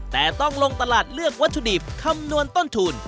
แต่ต้องลงตลาดเลือกวัตถุดิบคำนวณต้นทุน